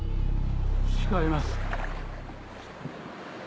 違います。